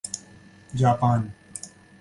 Japan